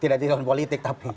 tidak jadi tahun politik tapi